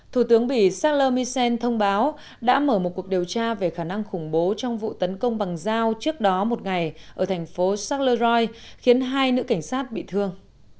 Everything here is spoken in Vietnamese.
thủ tướng mỹ charles michel thông báo đã mở một cuộc điều tra về khả năng khủng bố trong vụ tấn công bằng dao trước đó một ngày ở thành phố charleroi khiến hai nữ cảnh sát bị thương